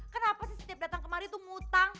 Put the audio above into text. kenapa sih setiap datang kemari itu ngutang